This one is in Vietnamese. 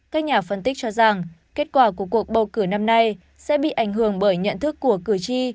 các nhà phân tích cho rằng kết quả của cuộc bầu cử năm nay sẽ bị ảnh hưởng bởi nhận thức của cử tri